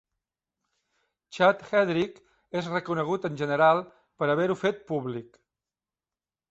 Chad Hedrick és reconegut en general per haver-ho fet públic.